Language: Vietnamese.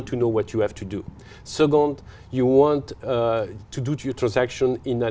vào khu vực tài năng